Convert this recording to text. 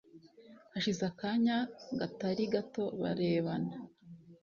hashize akanya gatari gato barebana